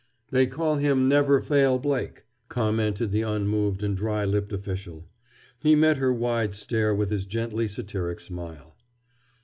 "They call him Never Fail Blake," commented the unmoved and dry lipped official. He met her wide stare with his gently satiric smile.